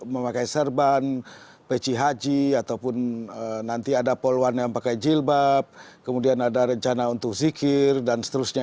memakai serban peci haji ataupun nanti ada poluan yang pakai jilbab kemudian ada rencana untuk zikir dan seterusnya